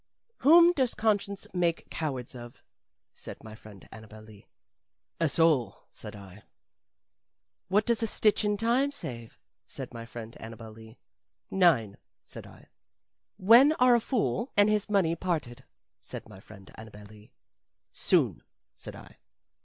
"Whom does conscience make cowards of?" said my friend Annabel Lee. "Us all," said I. "What does a stitch in time save?" said my friend Annabel Lee. "Nine," said I. "When are a fool and his money parted?" said my friend Annabel Lee. "Soon," said I.